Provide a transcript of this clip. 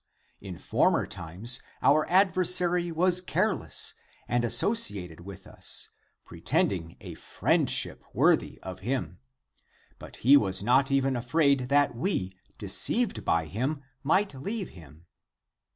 In former times our adver sary was careless and associated with us, pretending a friendship worthy of him. He was not even afraid that we, deceived by him, might leave him.